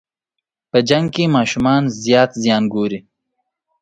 په جنګ کې ماشومان زیات زیان ګوري.